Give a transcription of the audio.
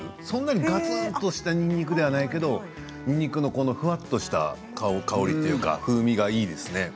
そんなに、がつんとしたにんにくじゃないけどにんにくのふわっとした香りというか、風味がいいですね。